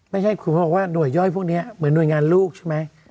ไม่ใช่คุณเขาบอกว่าหน่วยย่อยพวกนี้เหมือนหน่วยงานลูกใช่ไหม